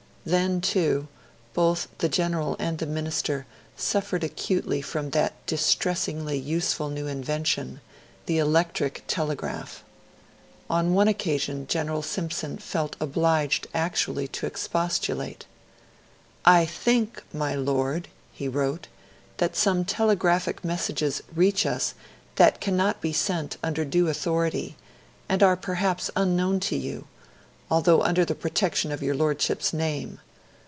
Then, too, both the General and the Minister suffered acutely from that distressingly useful new invention, the electric telegraph. On one occasion General Simpson felt obliged actually to expostulate. 'I think, my Lord,' he wrote, 'that some telegraphic messages reach us that cannot be sent under due authority, and are perhaps unknown to you, although under the protection of your Lordship's name.